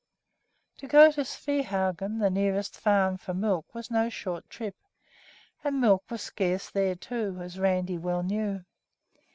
To go to Svehaugen, the nearest farm, for milk was no short trip; and milk was scarce there too, as Randi well knew.